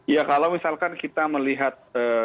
ya kalau misalkan kita melihat